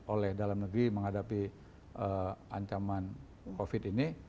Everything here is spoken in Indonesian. oleh dalam negeri menghadapi ancaman covid ini